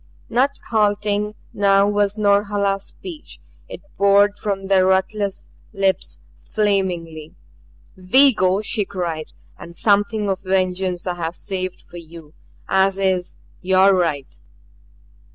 Not halting now was Norhala's speech; it poured from the ruthless lips flamingly. "We go," she cried. "And something of vengeance I have saved for you as is your right."